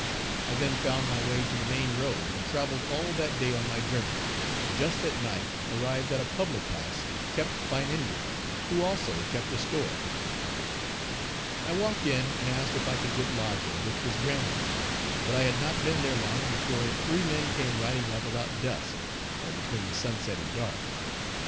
I then found my way to the main road, and traveled all that day on my journey, and just at night arrived at a public house kept by an Indian, who also kept a store. I walked in and asked if I could get lodging, which was granted; but I had not been there long before three men came riding up about dusk, or between sunset and dark.